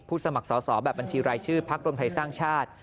สมัครสอบแบบบัญชีรายชื่อพักรวมไทยสร้างชาติ